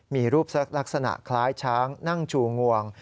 มีรูปลักษณะคล้ายช้างนั่งชูงวง